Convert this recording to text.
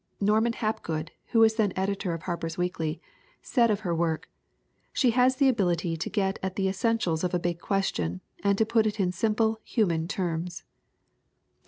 Norman Hap good, who was then editor of Harper's Weekly, said of her work : "She has the ability to get at the essen tials of a big question, and put it in simple, human terms."